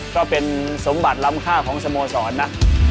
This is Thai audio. ก็เป็นสมบัติล้ำค่าของสโมสรนะ